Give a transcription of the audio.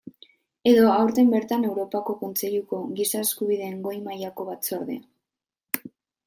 Edo aurten bertan Europako Kontseiluko Giza Eskubideen Goi mailako Batzordea.